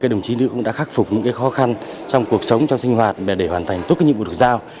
đồng chí nữ cũng đã khắc phục những khó khăn trong cuộc sống trong sinh hoạt để hoàn thành tốt nhiệm vụ được giao